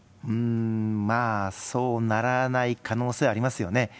まあ、そうならない可能性ありますよね。